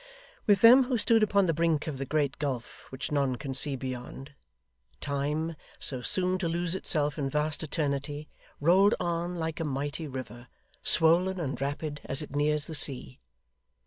With them who stood upon the brink of the great gulf which none can see beyond, Time, so soon to lose itself in vast Eternity, rolled on like a mighty river, swollen and rapid as it nears the sea.